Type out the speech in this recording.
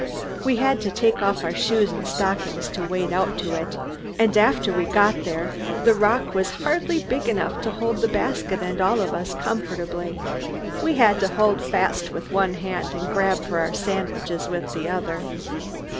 We had to take off our shoes and stockings to wade out to it, and after we got there the rock was hardly big enough to hold the basket and all of us comfortably. We had to hold fast with one hand and grab for our sandwiches with the other.